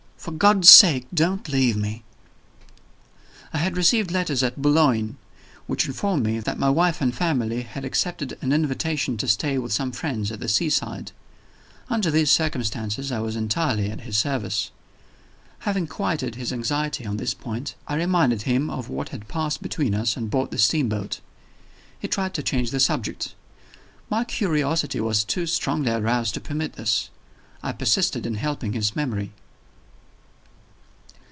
For God's sake, don't leave me!" I had received letters at Boulogne, which informed me that my wife and family had accepted an invitation to stay with some friends at the sea side. Under these circumstances I was entirely at his service. Having quieted his anxiety on this point, I reminded him of what had passed between us on board the steamboat. He tried to change the subject. My curiosity was too strongly aroused to permit this; I persisted in helping his memory.